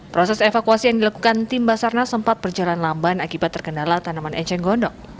proses evakuasi yang dilakukan tim basarna sempat berjalan lamban akibat terkendala tanaman eceng gondok